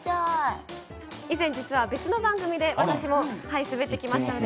以前、別の番組で私も滑ってみました。